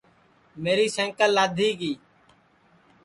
میری سینٚکل لادھی گی